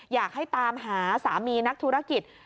อยากให้ตามหาสามีนักธุรกิจ